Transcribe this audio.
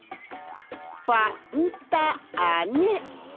「ファ・ン・タ・ー・ネ」